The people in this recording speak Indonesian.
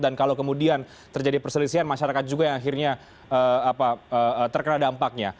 dan kalau kemudian terjadi perselisihan masyarakat juga yang akhirnya terkena dampaknya